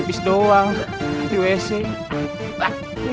lima meter dari gua